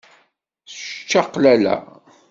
D ččaqlala.